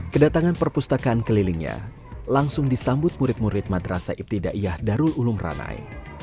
kedatangan perpustakaan kelilingnya langsung disambut murid murid madrasa ibtidaiyah darul ulum ranai